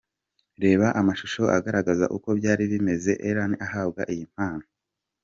Reba amashusho agaragaza uko byari bimeze Ellen ahabwa iyi mpano.